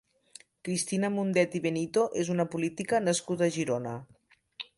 Cristina Mundet i Benito és una política nascuda a Girona.